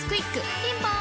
ピンポーン